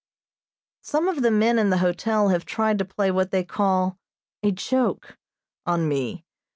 Some of the men in the hotel have tried to play what they call "a joke" on me.